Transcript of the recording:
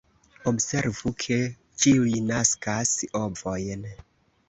Observu ke ĉiuj naskas ovojn.